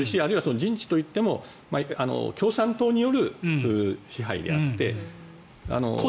あるいは人治といっても共産党による支配であって。